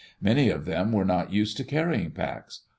Many of them were not used to carrying packs.